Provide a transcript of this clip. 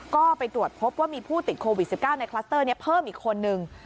ก็ไปตรวจพบว่ามีผู้ติดโควิด๑๙ในคลัสเตอร์นี้เพิ่มอีกคนนึง